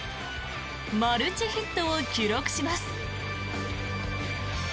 マルチヒットを記録します。